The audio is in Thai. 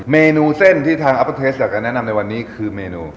เมนูเส้นที่ทางอัปเปอร์เทสอยากจะแนะนำในวันนี้คือเมนู